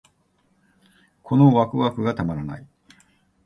このワクワクがたまらない